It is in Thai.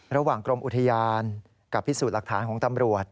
ระหว่างกรมอุทยานกับพิสูจน์หลักฐานของตำรวจ